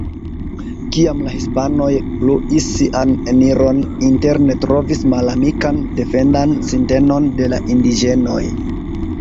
Kiam la hispanoj pluis sian eniron interne trovis malamikan defendan sintenon de la indiĝenoj.